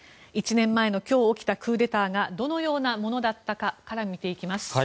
１年前の今日起きたクーデターがどのようなものだったかから見ていきます。